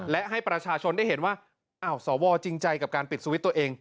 และให้ประชาชนได้เห็นว่าอ้าวสวจริงใจกับการปิดสวิตช์ตัวเอง